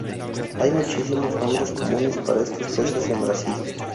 Hay muchísimos nombres comunes para estos peces, en Brasil.